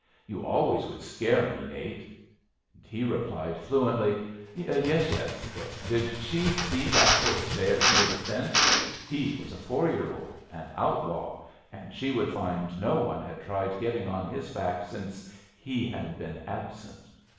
"You always would scare me, Nate!" And he replied, fluently, Yes, yes; did she see that horse there, near the fence? He was a four year old, an outlaw, and she would find no one had tried getting on his back since he had been absent.